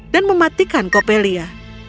dan mematikan coppelia